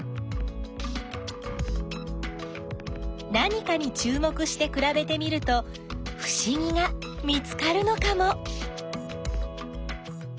何かにちゅう目してくらべてみるとふしぎが見つかるのかも！？